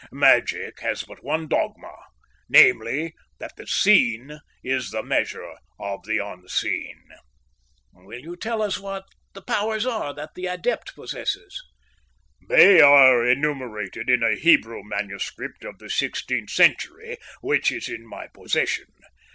Magic has but one dogma, namely, that the seen is the measure of the unseen." "Will you tell us what the powers are that the adept possesses?" "They are enumerated in a Hebrew manuscript of the sixteenth century, which is in my possession.